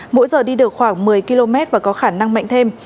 mỗi giờ đi được khoảng một mươi km và có khả năng mạnh thêm